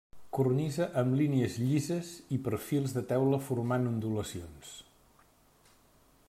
Cornisa amb línies llises i perfils de teula formant ondulacions.